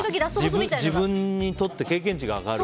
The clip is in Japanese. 自分にとって経験値が上がる。